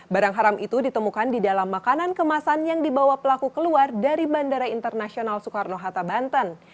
barang haram itu ditemukan di dalam makanan kemasan yang dibawa pelaku keluar dari bandara internasional soekarno hatta banten